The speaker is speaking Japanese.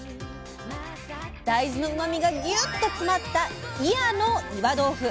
大豆のうまみがギュッと詰まった祖谷の岩豆腐。